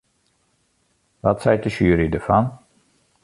Wat seit de sjuery derfan?